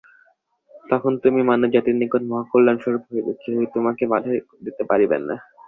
তখন তুমি মানবজাতির নিকট মহাকল্যাণস্বরূপ হইবে, কেহই তোমাকে বাধা দিতে পারিবে না।